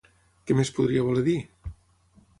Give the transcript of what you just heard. Què més podria voler dir?